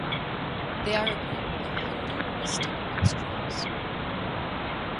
They are a group of Hindu mystic minstrels.